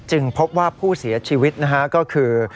จึงพบว่าผู้เสียชีวิตก็คือ